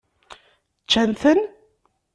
Ččan-ten?